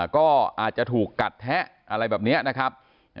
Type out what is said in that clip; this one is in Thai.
ก็อาจจะถูกกัดแทะอะไรแบบนี้นะครับ